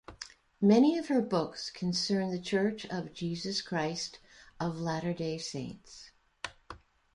Many of her books concern The Church of Jesus Christ of Latter-day Saints.